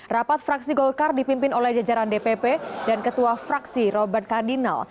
rapat fraksi golkar dipimpin oleh jajaran dpp dan ketua fraksi robert kardinal